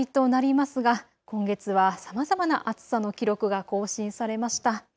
きょうで８月も終わりとなりますが今月はさまざまな暑さの記録が更新されました。